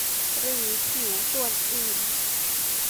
หรือผิวส่วนอื่น